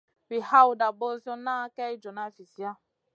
Wi hawta ɓozioŋa kay joona viziya.